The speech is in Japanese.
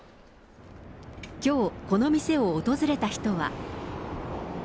きょう、この店を訪れた人は。